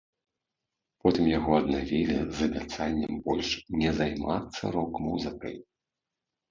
Потым яго аднавілі з абяцаннем больш не займацца рок-музыкай.